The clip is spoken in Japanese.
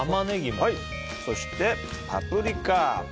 そして、パプリカ。